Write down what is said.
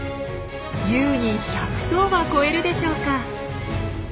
優に１００頭は超えるでしょうか。